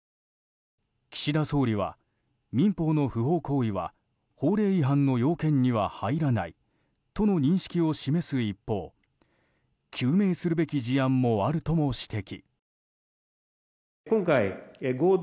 岸田総理は、民法の不法行為は法令違反の要件には入らないとの認識を示す一方究明するべき事案もあるとも指摘。